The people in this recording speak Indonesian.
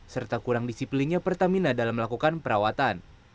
serta kurang disiplinnya pertamina dalam melakukan perawatan